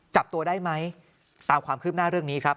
จับตัวได้ไหมตามความคืบหน้าเรื่องนี้ครับ